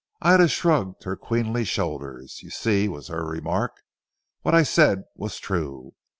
Ida shrugged her queenly shoulders. "You see," was her remark, "what I said was true.